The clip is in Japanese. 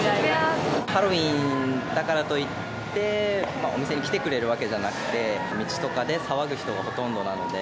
ハロウィーンだからといって、お店に来てくれるわけじゃなくて、道とかで騒ぐ人がほとんどなので。